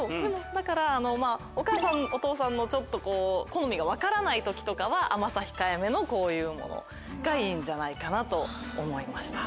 だからお母さんお父さんの好みが分からない時とかは甘さ控えめのこういうものがいいんじゃないかなと思いました。